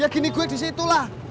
ya gini gue disitulah